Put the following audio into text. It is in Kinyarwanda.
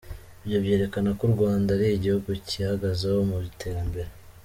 Ibyo byerekana ko U Rwanda ari igihugu cyihagazeho mu iterambere ».